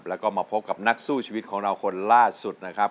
แล้วก็มาพบกับนักสู้ชีวิตของเราคนล่าสุดนะครับ